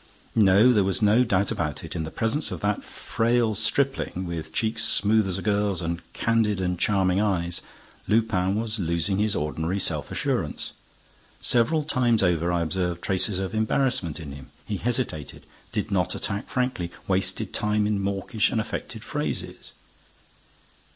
No, there was no doubt about it: in the presence of that frail stripling, with cheeks smooth as a girl's and candid and charming eyes, Lupin was losing his ordinary self assurance. Several times over, I observed traces of embarrassment in him. He hesitated, did not attack frankly, wasted time in mawkish and affected phrases.